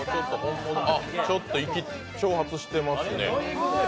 ちょっと挑発してますね。